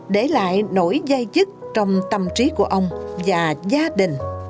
để lại nỗi gai dứt trong tâm trí của ông và gia đình